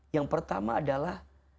yang pertama adalah